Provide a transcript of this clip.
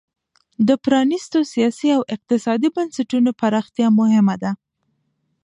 د پرانیستو سیاسي او اقتصادي بنسټونو پراختیا مهمه ده.